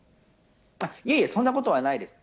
いえいえ、そんなことはないです。